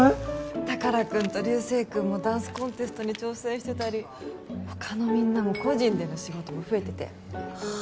宝くんと竜星くんもダンスコンテストに挑戦してたり他のみんなも個人での仕事も増えててはあ